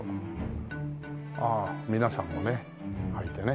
ああ皆さんもねはいてね。